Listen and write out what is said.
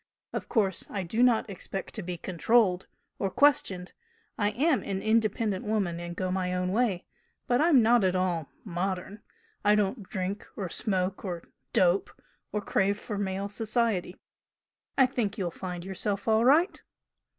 Of course I do not expect to be controlled or questioned, I am an independent woman, and go my own way, but I'm not at all 'modern.' I don't drink or smoke or 'dope,' or crave for male society. I think you'll find yourself all right!"